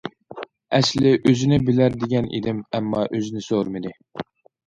ئەسلى ئۆزىنى بىلەر دېگەن ئىدىم، ئەمما ئۆزىنى سورىمىدى.